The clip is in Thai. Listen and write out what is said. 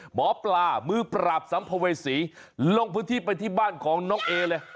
หมอปลามือปราบสัมภเวษีลงพื้นที่ไปที่บ้านของน้องเอเลย